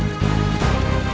mereka mencari mati